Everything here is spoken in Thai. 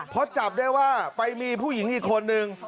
เพราะจับได้ว่าไปมีผู้หญิงอีกคนนึง